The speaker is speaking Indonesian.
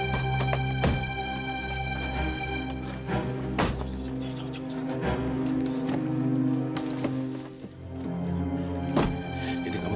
cukup cukup cukup